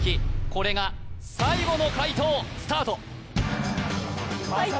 これが最後の解答スタートファイト！